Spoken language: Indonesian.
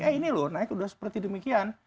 eh ini loh naik udah seperti demikian